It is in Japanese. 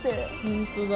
本当だ。